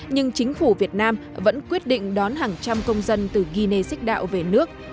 nhưng chính phủ việt nam vẫn quyết định đón hàng trăm công dân từ guinea xích đạo về nước